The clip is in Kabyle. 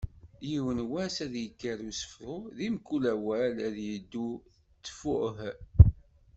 Yiwen wass ad d-yekker usefru, di mkul awal ad d-yeddu ttfuh”.